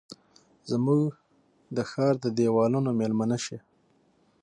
زموږ د ښارد دیوالونو میلمنه شي